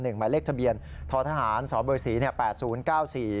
หมายเลขทะเบียนท้อทหารสศ๘๐๙๔